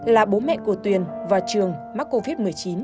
là bố mẹ của tuyền và trường mắc covid một mươi chín